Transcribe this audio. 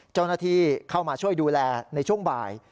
เจ้าหน้าที่เข้ามาช่วยดูแลในช่วงบ่าย